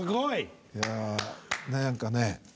いやねえ何かね。